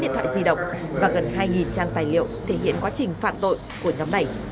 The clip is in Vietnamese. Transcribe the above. tám điện thoại di động và gần hai trang tài liệu thể hiện quá trình phạm tội của nhóm này